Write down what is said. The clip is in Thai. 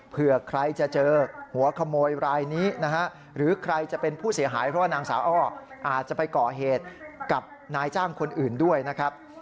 เผื่อใครจะเจอหัวขโมยรายนี้นะฮะหรือใครจะเป็นผู้เสียหายเพราะว่านางสาวอ้ออาจจะไปก่อเหตุกับนายจ้างคนอื่นด้วยนะครับ